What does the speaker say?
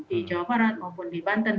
di jawa barat maupun di banten